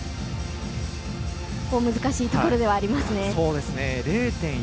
難しいところではありますね。